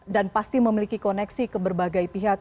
dan pasti memiliki koneksi ke berbagai pihak